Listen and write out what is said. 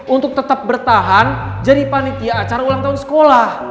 untuk tetap bertahan jadi panitia acara ulang tahun sekolah